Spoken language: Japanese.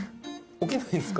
起きないんですか？